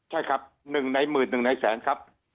ใช่ครับหนึ่งในหมื่นหนึ่งในแสนครับ